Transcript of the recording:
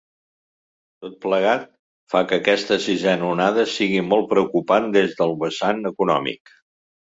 Tot plegat fa que aquesta sisena onada sigui molt preocupant des del vessant econòmic.